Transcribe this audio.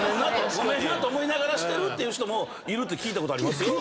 ごめんなと思いながらしてるっていう人もいるって聞いたことありますよ。